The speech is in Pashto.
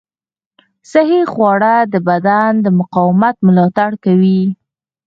صحي خواړه د بدن د مقاومت ملاتړ کوي.